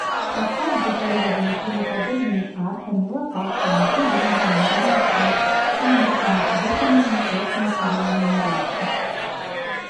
Фасад дэкарыраваны клінападобнымі аркамі, лапаткамі, філёнгамі, рустам, сандрыкамі, выкананымі сродкамі цаглянай муроўкі.